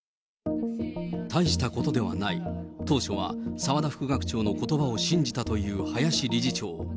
大したことではない、当初は澤田副学長のことばを信じたという林理事長。